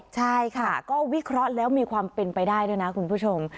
ใช่ค่ะก็วิเคราะห์แล้วมีความเป็นไปได้ด้วยนะคุณผู้ชม